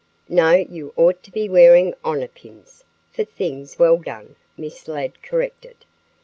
"No, you ought to be wearing honor pins, for things well done," Miss Ladd corrected.